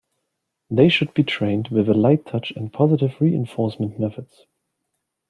They should be trained with a light touch and positive reinforcement methods.